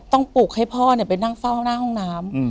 ปลุกให้พ่อไปนั่งเฝ้าหน้าห้องน้ำ